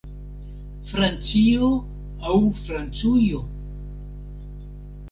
Francio aŭ Francujo?